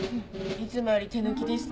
いつもより手抜きですね。